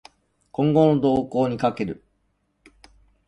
今後の動向に賭ける